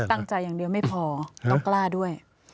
ตั้งใจอย่างเดียวไม่พอต้องกล้าด้วย